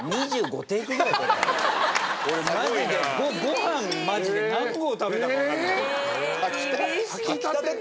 俺マジでご飯何合食べたか分かんない。